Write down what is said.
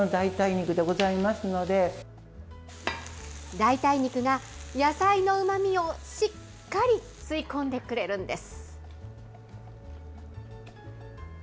代替肉が、野菜のうまみをしっかり吸い込んでくれるんです。